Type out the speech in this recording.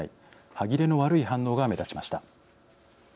歯切れの悪い反応が目立ちました。